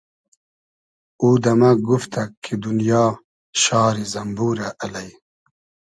او دۂ مۂ گوفتئگ کی دونیا شاری زئمبورۂ الݷ